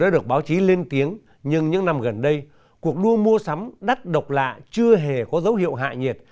đã được báo chí lên tiếng nhưng những năm gần đây cuộc đua mua sắm đắt độc lạ chưa hề có dấu hiệu hạ nhiệt